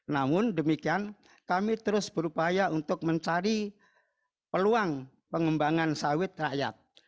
namun demikian kami terus berupaya untuk mencari peluang pengembangan sawit rakyat